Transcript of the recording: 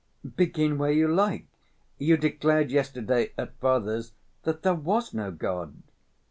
"Begin where you like. You declared yesterday at father's that there was no God."